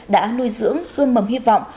đã nuôi dưỡng hương mầm hy vọng